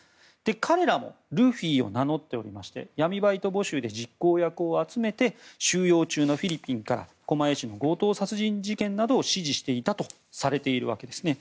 彼らもルフィを名乗っておりまして闇バイト募集で実行役を集めて収容中のフィリピンから狛江市の強盗殺人事件などを指示していたとされているわけです。